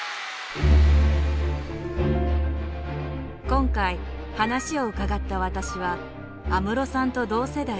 今回話を伺った私は安室さんと同世代。